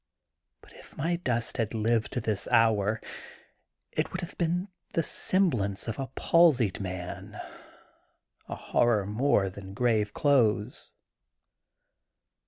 But if my dust had lived to this hour, it would have been the semblance of a palsied man, a horror more than grave clothes.